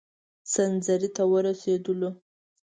سنځري ته ورسېدلو.